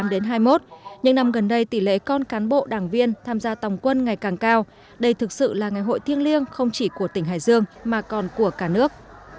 đến hai mươi một những năm gần đây tỷ lệ con cán bộ đảng viên tham gia tòng quân ngày càng cao đây thực sự là ngày hội thiêng liêng không chỉ của tỉnh hải dương mà còn của cả nước